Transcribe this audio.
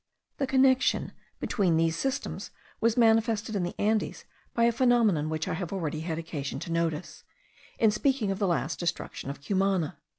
The connection between these systems was manifested in the Andes by a phenomenon which I have already had occasion to notice, in speaking of the last destruction of Cumana.